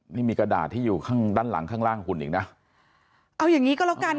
นี่มีกระดาษที่อยู่ข้างด้านหลังข้างล่างหุ่นอีกนะเอาอย่างงี้ก็แล้วกัน